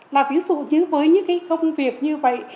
là ví dụ như với những cái công việc như vậy